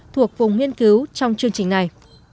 thuộc vùng nghiên cứu trong chương trình này